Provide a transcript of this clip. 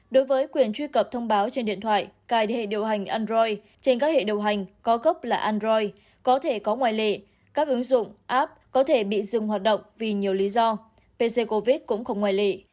đối với quyền truy cập thông báo trên điện thoại cài hệ điều hành android trên các hệ điều hành có gốc là android có thể có ngoại lệ các ứng dụng app có thể bị dừng hoạt động vì nhiều lý do pc covid cũng không ngoại lệ